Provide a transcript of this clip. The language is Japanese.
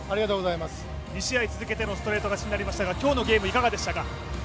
２試合続けてのストレート勝ちでしたが、今日のゲームいかがでしたか？